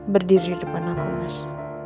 berdiri di depan nama mas